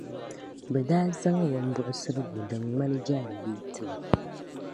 be daa zaŋ bimbuɣisirigu din ŋmani jaaŋgbee ti ma.